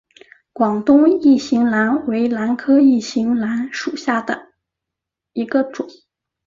广东异型兰为兰科异型兰属下的一个种。